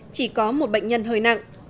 chỉ có một bệnh nhân hơi nặng